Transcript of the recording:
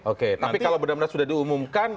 oke tapi kalau benar benar sudah diumumkan